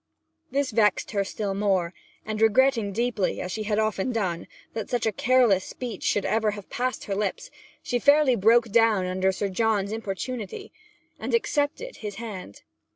This vexed her still more, and regretting deeply, as she had often done, that such a careless speech should ever have passed her lips, she fairly broke down under Sir John's importunity, and accepted his hand.